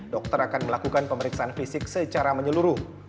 dokter akan melakukan pemeriksaan fisik secara menyeluruh